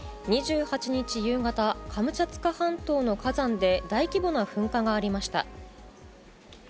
２８日夕方、カムチャツカ半島の火山で大規模な噴火がありました。